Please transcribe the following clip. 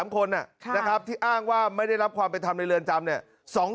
๓๙๓คนนะครับที่อ้างว่าไม่ได้รับความไปทำในเรือนจำเนี่ย